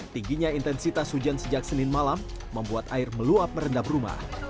tingginya intensitas hujan sejak senin malam membuat air meluap merendam rumah